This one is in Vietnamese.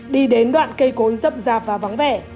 đi đến đoạn cây cối rậm rạp và vắng vẻ